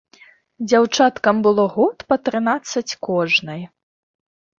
Дзяўчаткам было год па трынаццаць кожнай.